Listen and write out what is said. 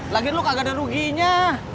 lagi lo kagak ada ruginya